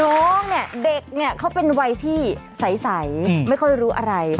น้องเนี่ยเด็กเนี่ยเขาเป็นวัยที่ใสไม่ค่อยรู้อะไร